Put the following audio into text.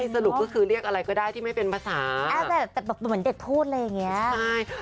สรุปก็คือเรียกอะไรก็ได้ที่ไม่เป็นภาษาแต่แบบเหมือนเด็กพูดอะไรอย่างนี้